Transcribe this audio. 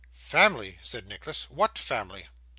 'Family!' said Nicholas. 'What family?